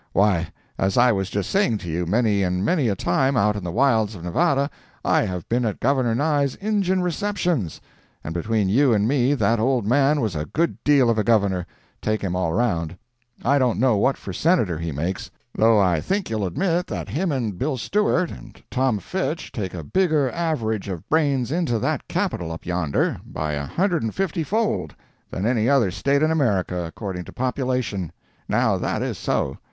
Why, as I was just saying to you, many and many a time, out in the wilds of Nevada, I have been at Governor Nye's Injun receptions—and between you and me that old man was a good deal of a Governor, take him all round. I don't know what for Senator he makes, though I think you'll admit that him and Bill Steward and Tom Fitch take a bigger average of brains into that Capitol up yonder, by a hundred and fifty fold, than any other State in America, according to population. Now that is so.